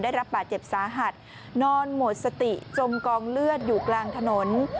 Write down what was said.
ได้รับบาดเจ็บสาหัสนอนหมดสติจมกองเลือดอยู่กลางถนน